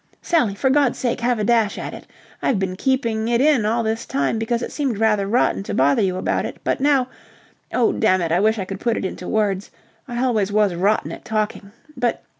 Sally, for God's sake have a dash at it! I've been keeping it in all this time because it seemed rather rotten to bother you about it, but now....Oh, dammit, I wish I could put it into words. I always was rotten at talking. But...